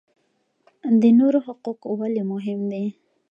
د نورو حقوق ولې مهم دي؟